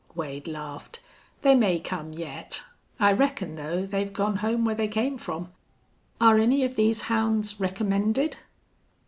Wade laughed. "They may come yet. I reckon, though, they've gone home where they came from. Are any of these hounds recommended?"